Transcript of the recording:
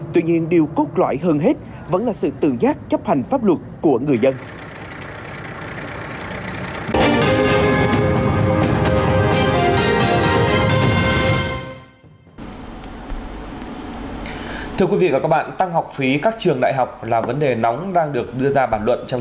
tuy nhiên điều cốt lõi hơn hết vẫn là sự tự giác chấp hành pháp luật của người dân